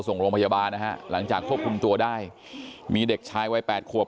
ส่งโรงพยาบาลนะฮะหลังจากควบคุมตัวได้มีเด็กชายวัยแปดขวบ